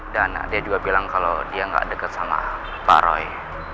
dan dia juga bilang kalau dia gak deket sama pak roy